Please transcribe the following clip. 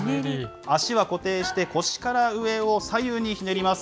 足は固定して、腰から上を左右にひねります。